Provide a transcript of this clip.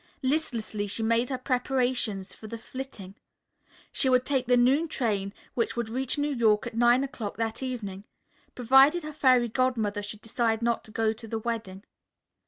Listlessly she made her preparations for the flitting. She would take the noon train which would reach New York at nine o'clock that evening, provided her Fairy Godmother should decide not to go to the wedding.